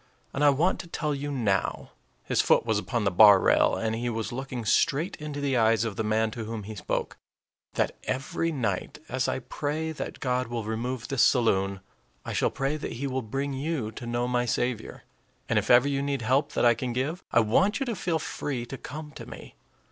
And I want to tell you now" his foot was upon the bar rail, and he was looking straight into the eyes of the man to whom he spoke "that every night, as I pray that God will remove this saloon, I shall pray that he will bring you to know my Saviour. And if ever you need help that I can give, I want you to feel free to come to me.